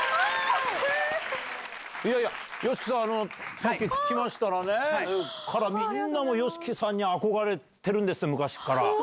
ＹＯＳＨＩＫＩさん、さっき、聞きましたらね、ＫＡＲＡみんなが、ＹＯＳＨＩＫＩさんに憧れて光栄です。